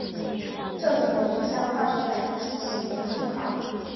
这种酶以下的化学反应进行酶催化。